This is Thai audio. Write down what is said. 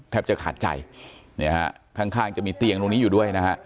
จะขาดใจเนี่ยฮะข้างจะมีเตียงตรงนี้อยู่ด้วยนะฮะ